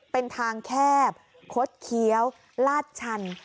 เป็นทางแคบคดเคี้ยวลาดชัน